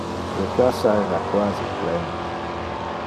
Le cassa era quasi plen.